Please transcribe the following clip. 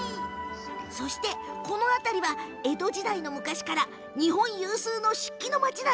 そして、この辺りは江戸の昔から日本有数の漆器の町。